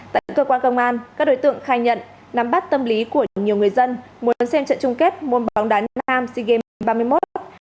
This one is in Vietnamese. tại cơ quan công an các đối tượng khai nhận nắm bắt tâm lý của nhiều người dân muốn xem trận chung kết môn bóng đá nam sea games